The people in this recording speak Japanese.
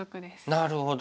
なるほど。